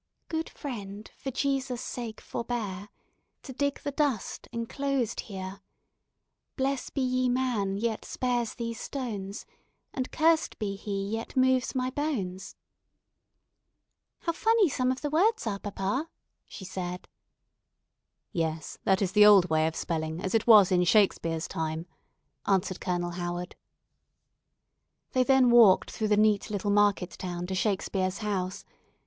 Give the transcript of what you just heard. "Good frend for Jesus sake forbeare, To digg the dust encloased heare: Blese be ye man yt spares thes stones, And curst be he yt moves my bones." "How funny some of the words are, papa," she said. "Yes, that is the old way of spelling, as it was in Shakespeare's time," answered Colonel Howard. They then walked through the neat little market town to Shakespeare's house.